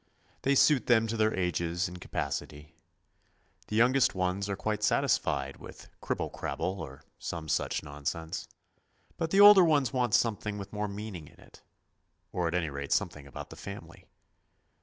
They suit them to their ages and capacity. The youngest ones are quite satisfied with " Kribble krabble," or some such nonsense; but the older ones want something with more meaning in it, or at any rate something about the family.